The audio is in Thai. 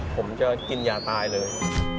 ผมจะกินยาตายเลย